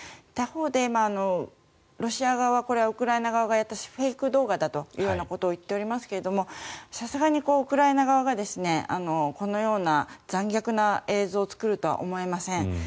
他方でロシア側はこれはウクライナ側がやったフェイク動画だというようなことを言っておりますがさすがにウクライナ側がこのような残虐な映像を作るとは思えません。